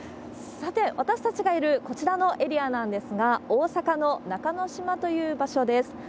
さて、私たちがいるこちらのエリアなんですけれども、大阪の中之島という場所です。